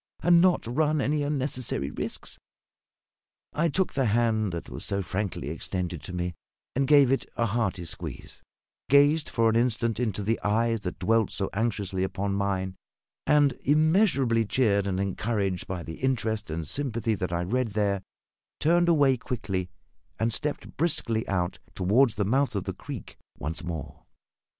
and not run any unnecessary risks?" I took the hand that was so frankly extended to me, and gave it a hearty squeeze; gazed for an instant into the eyes that dwelt so anxiously upon mine; and, immeasurably cheered and encouraged by the interest and sympathy that I read there, turned away quickly and stepped briskly out toward the mouth of the creek once more.